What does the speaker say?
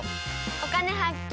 「お金発見」。